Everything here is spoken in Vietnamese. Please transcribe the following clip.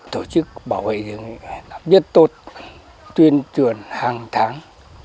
tổ chức bảo vệ rừng là biết tốt tuyên truyền hàng tháng